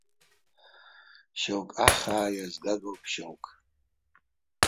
Шьоук ахаа иазгагоуп, шьоук.